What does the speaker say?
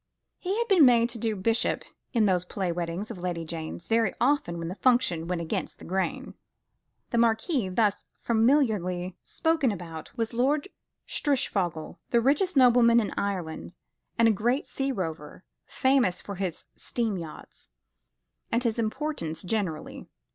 He had been made to do bishop in those play weddings of Lady Jane's, very often when the function went against the grain. The Marquis thus familiarly spoken about was Lord Strishfogel, the richest nobleman in Ireland, and a great sea rover, famous for his steam yachts, and his importance generally.